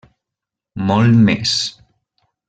Molt més.